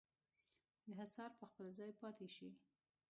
انحصار په خپل ځای پاتې شي.